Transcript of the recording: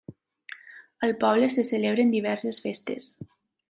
Al poble se celebren diverses festes.